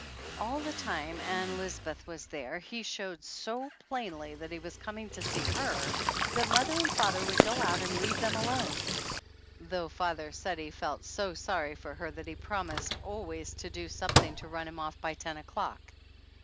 All the time Ann Lisbeth was there he showed so plainly that he was coming to see her that mother and father would go out and leave them alone, though father said he felt so sorry for 47 THE ANNALS OF ANN her that he promised always to do something to run him off by ten o'clock.